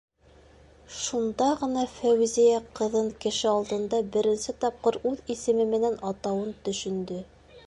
- Шунда ғына Фәүзиә ҡыҙын кеше алдында беренсе тапҡыр үҙ исеме менән атауын төшөндө.